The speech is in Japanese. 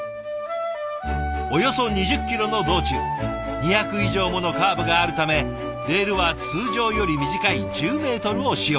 およそ２０キロの道中２００以上ものカーブがあるためレールは通常より短い１０メートルを使用。